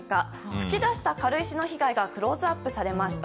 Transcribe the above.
噴き出した軽石の被害がクローズアップされました。